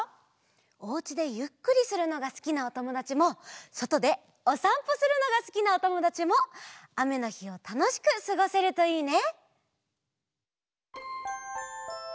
おうちでゆっくりするのがすきなおともだちもそとでおさんぽするのがすきなおともだちもあめのひをたのしくすごせるといいね！